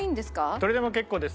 どれでも結構です。